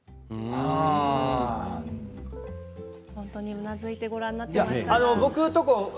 うなずいてご覧になっていました。